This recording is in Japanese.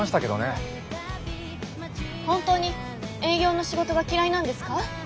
本当に営業の仕事が嫌いなんですか？